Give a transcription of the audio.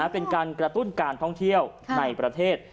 เป็นการกระตุ้นการท่องเที่ยวในประเทศ